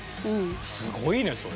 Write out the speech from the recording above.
すごいねそれ。